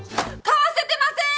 かわせてません！